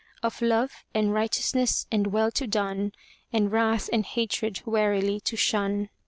Of love, and righteousness and well to done. And wrath and hatred warily to shun.